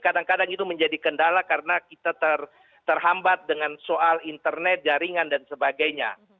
kadang kadang itu menjadi kendala karena kita terhambat dengan soal internet jaringan dan sebagainya